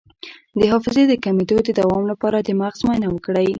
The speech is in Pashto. د حافظې د کمیدو د دوام لپاره د مغز معاینه وکړئ